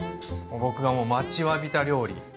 僕がもう待ちわびた料理。